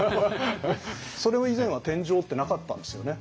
それも以前は天井ってなかったんですよね。